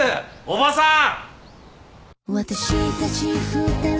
おばさん！